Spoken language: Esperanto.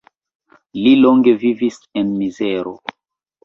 Li longe vivis en mizero.